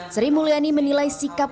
sri mulyani menilai sikap